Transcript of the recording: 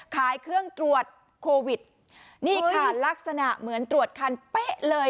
ขายเครื่องตรวจโควิดนี่ค่ะลักษณะเหมือนตรวจคันเป๊ะเลย